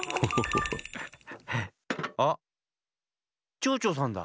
ちょうちょうさんだ。